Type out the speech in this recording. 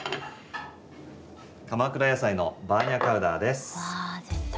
鎌倉やさいのバーニャカウダです。